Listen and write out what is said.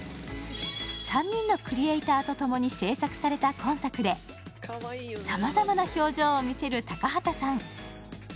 ３人のクリエイターと共に制作された今作でさまざまな表情を見せる高畑さん。